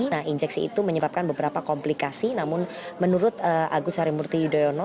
nah injeksi itu menyebabkan beberapa komplikasi namun menurut agus harimurti yudhoyono